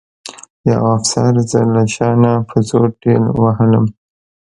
یوه افسر زه له شا نه په زور ټېل وهلم